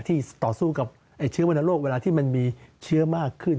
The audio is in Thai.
ต่อสู้กับเชื้อวรรณโรคเวลาที่มันมีเชื้อมากขึ้น